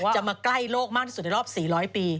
จะมาใกล้โลกมากที่สุดในรอบ๔๐๐ปี